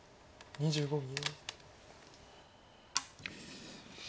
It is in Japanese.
２５秒。